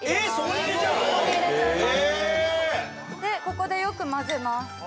ここでよくまぜます